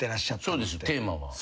そうですテーマは。